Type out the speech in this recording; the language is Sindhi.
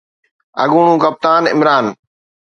اڳوڻو ڪپتان عمران